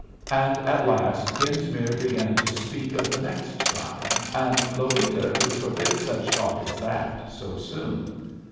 And at last Genesmere began to speak of the next time, and Lolita to forbid such talk as that so soon.